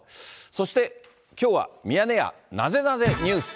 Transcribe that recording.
そしてきょうは、ミヤネ屋なぜなぜニュース。